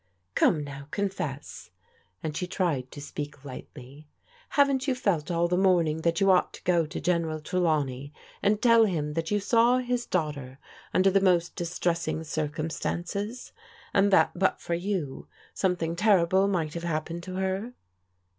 " Come now, confess," and she tried to speak lightly, " haven't you felt all the morning that you ought to go to General Trelawney and tell him that you saw his daugh ter under the most distressing circumstances, and that but for you something terrible might have happened to her?"